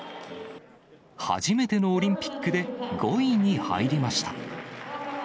初めてのオリンピックで５位に入りました。